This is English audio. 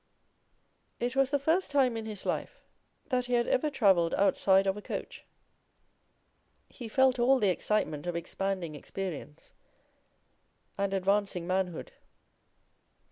It was the first time in his life that he had ever travelled outside of a coach. He felt all the excitement of expanding experience and advancing manhood.